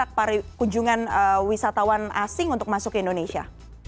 apakah ini berharap para kunjungan wisatawan asing untuk masuk ke indonesia